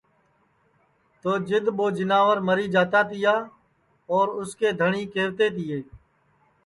تو جِدؔ ٻو جیناور مری جاتا تیا اور اُس کے دھٹؔی کہوتے تیے